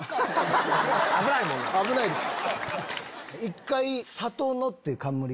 危ないです。